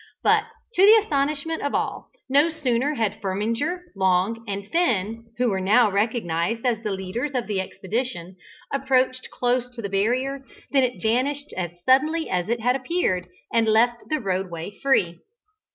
But to the astonishment of all, no sooner had Firminger, Long, and Finn (who were now recognised as the leaders of the expedition) approached close to the barrier, than it vanished as suddenly as it had appeared, and left the roadway free.